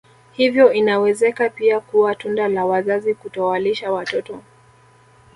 Hiyo inawezeka pia kuwa tunda la wazazi kutowalisha watoto